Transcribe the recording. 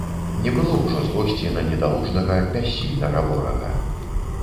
Не было ўжо злосці на недалужнага, бяссільнага ворага.